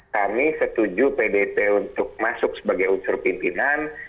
kami setuju pdip untuk masuk sebagai unsur pimpinan